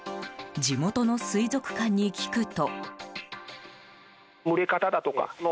地元の水族館に聞くと。